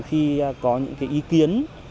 khi có những cái ý kiến